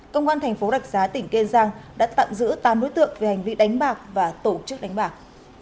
công an thành phố đạch giá tỉnh kiên giang đã tạm giữ tám đối tượng về hành vi đánh bạc và tổ chức đánh bạc